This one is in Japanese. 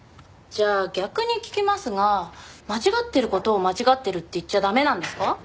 じゃあ逆に聞きますが間違ってる事を間違ってるって言っちゃ駄目なんですか？